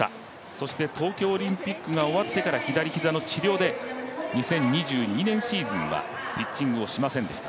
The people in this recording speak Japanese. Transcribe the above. そして東京オリンピックが終わってから左膝の治療で２０２２年シーズンはピッチングをしませんでした。